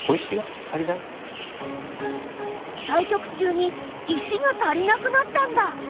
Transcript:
対局中に石が足りなくなったんだ！